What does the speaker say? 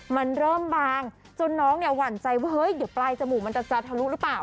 มันเริ่มบางจนน้องเนี่ยหวั่นใจว่าเฮ้ยเดี๋ยวปลายจมูกมันจะทะลุหรือเปล่า